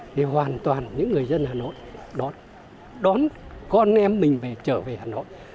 thì hoàn toàn những người dân hà nội đón con em mình về trở về hà nội